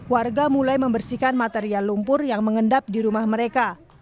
warga mulai membersihkan material lumpur yang mengendap di rumah mereka